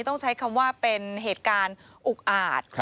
ต้องใช้คำว่าเป็นเหตุการณ์อุกอาจ